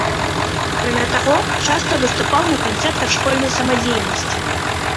Акрамя таго, часта выступаў на канцэртах школьнай самадзейнасці.